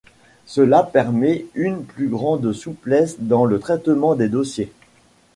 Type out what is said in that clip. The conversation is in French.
Cela permet une plus grande souplesse dans le traitement des dossiers.